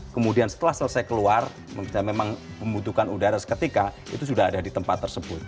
kemudian setelah selesai keluar kita memang membutuhkan udara seketika itu sudah ada di tempat tersebut